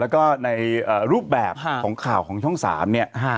แล้วก็ในรูปแบบของข่าวของช่อง๓เนี่ย